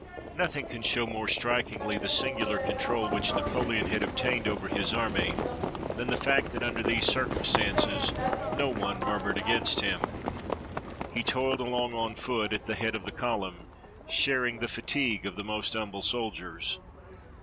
Nothing can show more strikingly the singular control which Napoleon had obtained over his army than the fact that, under these circumstances, no one murmured against him. He toiled along on foot at the head of the column, sharing the fatigue of the most humble soldiers.